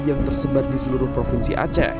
yang tersebar di seluruh provinsi aceh